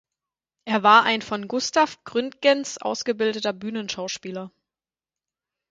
Er war ein von Gustaf Gründgens ausgebildeter Bühnenschauspieler.